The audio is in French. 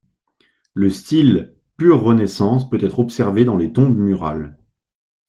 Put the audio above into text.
Le style pur Renaissance peut être observé dans les tombes murales.